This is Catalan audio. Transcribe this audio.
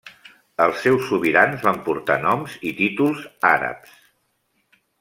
Els seus sobirans van portar noms i títols àrabs.